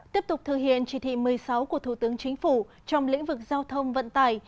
tiếp tục thực hiện chỉ thị một mươi sáu của thủ tướng chính phủ trong lĩnh vực giao thông vận tải